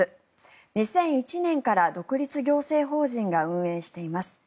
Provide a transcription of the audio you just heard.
２００１年から独立行政法人が運営しています。